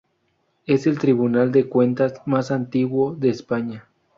Es el tribunal de cuentas más antiguo de España.